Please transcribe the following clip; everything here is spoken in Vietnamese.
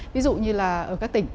ví dụ như là ở các tỉnh